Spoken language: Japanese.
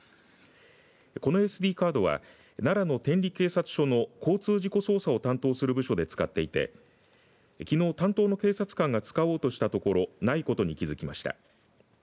このＳＤカードは奈良の天理警察署の交通事故捜査を担当する部署で使っていてきのう担当の警察官が使おうとした所ないことに気付きました。